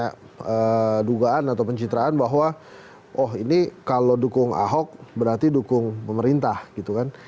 ada dugaan atau pencitraan bahwa oh ini kalau dukung ahok berarti dukung pemerintah gitu kan